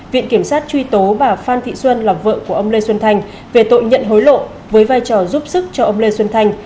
viện kiểm sát truy tố bà phan thị xuân là vợ của ông lê xuân thành về tội nhận hối lộ với vai trò giúp sức cho ông lê xuân thanh